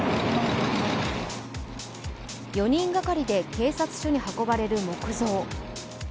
４人がかりで警察署に運ばれる木造。